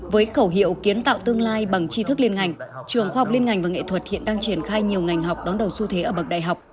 với khẩu hiệu kiến tạo tương lai bằng chi thức liên ngành trường khoa học liên ngành và nghệ thuật hiện đang triển khai nhiều ngành học đón đầu xu thế ở bậc đại học